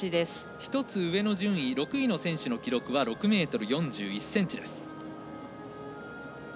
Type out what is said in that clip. １つ上の順位６位の選手の記録は６ｍ４１ｃｍです。